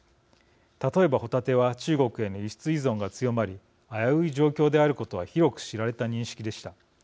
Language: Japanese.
例えばホタテは中国への輸出依存が強まり危うい状況であることは広く知られた認識でした。